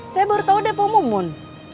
saya baru tau deh pemumun